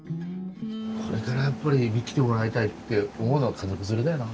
これからやっぱり来てもらいたいって思うのは家族連れだよな。